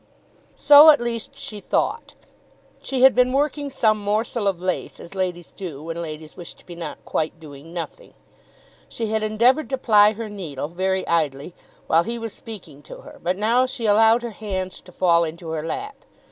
So at least she thought. She had been working some morsel of lace, as ladies do when ladies wish to be not quite doing nothing. She had endeavoured to ply her needle, very idly, while he was speaking to her, but now she allowed her hands to fall into her lap.